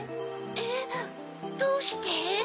えっどうして？